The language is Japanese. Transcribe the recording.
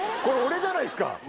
これ俺じゃないですか！